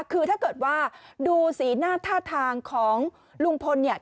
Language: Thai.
คือถ้าเกิดว่าดูสีหน้าท่าทางของลุงพลเนี่ย